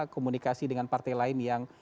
komunikasi dengan partai lain yang